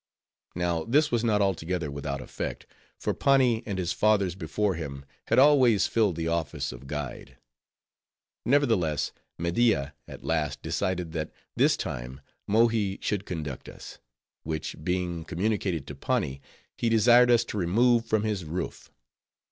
Now, this was not altogether without effect; for Pani and his fathers before him had always filled the office of guide. Nevertheless, Media at last decided, that, this time, Mohi should conduct us; which being communicated to Pani, he desired us to remove from his roof.